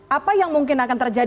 apa yang mungkin akan terjadi